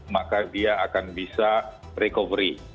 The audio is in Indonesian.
maka dia akan bisa recovery